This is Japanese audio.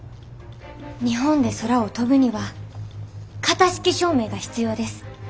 日本で空を飛ぶには型式証明が必要です。